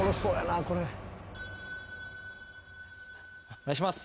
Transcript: お願いします。